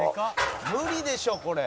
「無理でしょこれ」